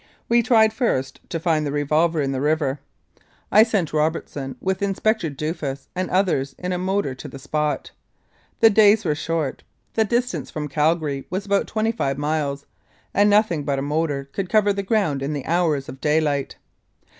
We tried, first, to find the 244 The Tucker Peach Murder revolver in the river. I sent Robertson with Inspector Duffus and others in a motor to the spot. The days were short, the distance from Calgary was about twenty five miles, and nothing but a motor could cover the ground in the hours of daylight.